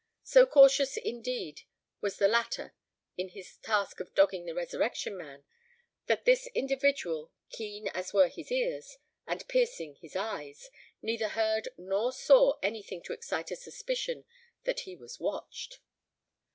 So cautious indeed was the latter in his task of dogging the Resurrection Man, that this individual, keen as were his ears, and piercing his eyes, neither heard nor saw any thing to excite a suspicion that he was watched.